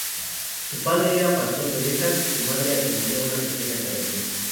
Su padre era pastor de ovejas, su madre atendía una pequeña taberna.